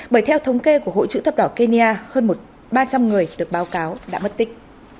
bởi theo thống kê của hội chữ thập đỏ kenya hơn ba trăm linh người được báo cáo đã mất tích